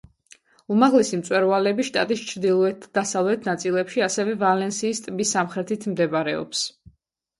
უმაღლესი მწვერვალები შტატის ჩრდილოეთ და დასავლეთ ნაწილებში, ასევე ვალენსიის ტბის სამხრეთით მდებარეობს.